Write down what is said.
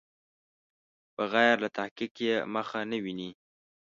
بغیر له تحقیق یې مخه نه ویني.